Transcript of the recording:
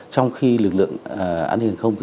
trong khi lực lượng an ninh hàng không